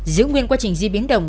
giữ nguyên quá trình di biến động